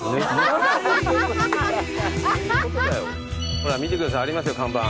ほら見てくださいありますよ看板。